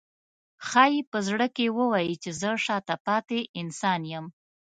ښایي په زړه کې ووایي چې زه شاته پاتې انسان یم.